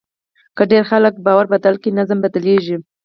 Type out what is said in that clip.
که ډېر خلک باور بدل کړي، نظم بدلېږي.